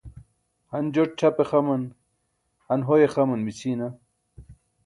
han joṭ ćʰape xaman, han hoye xaman mićʰiina?